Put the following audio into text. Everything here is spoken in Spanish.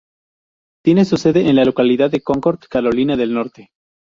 Tiene su sede en la localidad de Concord, Carolina del Norte.